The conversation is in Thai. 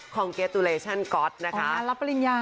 ของเกตุเลชั่นก๊อตนะคะรับปริญญา